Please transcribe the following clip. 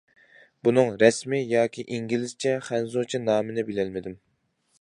بۇنىڭ رەسىمى ياكى ئىنگلىزچە، خەنزۇچە نامىنى بىلەلمىدىم.